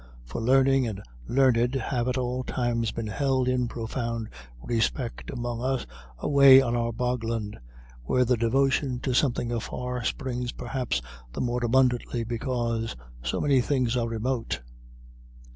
For learning and the learned have at all times been held in profound respect among us away on our bogland, where the devotion to something afar springs perhaps the more abundantly because so many things are remote.